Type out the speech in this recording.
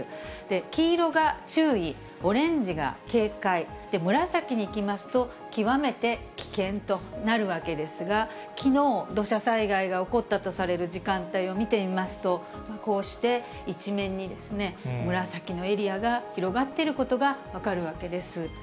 黄色が注意、オレンジが警戒、紫にいきますと、極めて危険となるわけですが、きのう、土砂災害が起こったとされる時間帯を見てみますと、こうして一面にですね、紫のエリアが広がっていることが分かるわけです。